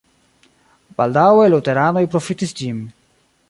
Baldaŭe luteranoj profitis ĝin.